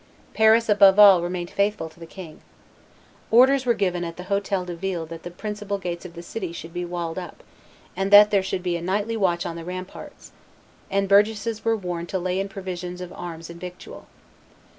Paris, above all, remained faithful to the king. Orders were given at the Hotel de Ville that the principal gates of the city should be walled up, and that there should be a night watch on the ramparts; and the burgesses were warned to lay in provision of arms and victual.